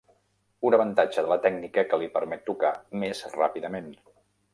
Un avantatge de la tècnica que li permet tocar més ràpidament.